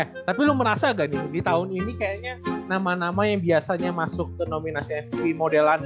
tapi lu merasa gak nih di tahun ini kayaknya nama nama yang biasanya masuk ke nominasi free modelan